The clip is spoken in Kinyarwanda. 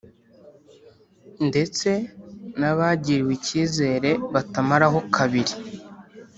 ndetse n’abagiriwe icyizere batamaraho kabiri